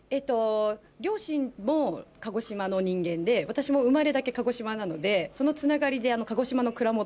両親も鹿児島の人間で私も生まれだけ鹿児島なのでそのつながりで。